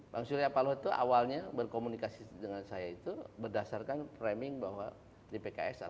bang syuri apaloh itu awalnya berkomunikasi dengan saya itu berdasarkan framing bahwa di pks ada radikalisme